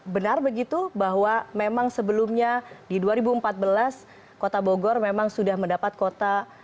benar begitu bahwa memang sebelumnya di dua ribu empat belas kota bogor memang sudah mendapat kota